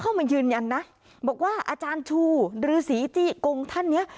เข้ามายืนอันนะบอกว่าอาจารย์ทูลหรือศรีจิกงท่านเนี่ย